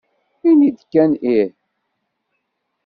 Ini-d kan ih!